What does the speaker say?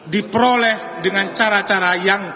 diperoleh dengan cara cara yang